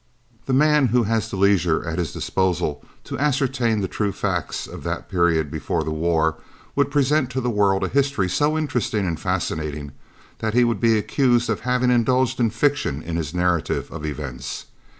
The man who has the leisure at his disposal to ascertain the true facts of that period before the war, would present to the world a history so interesting and fascinating that he would be accused of having indulged in fiction in his narrative of events.